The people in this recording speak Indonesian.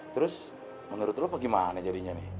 terus menurut lo apa gimana jadinya nih